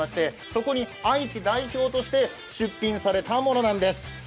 そこに愛知代表として出品されたものなんです。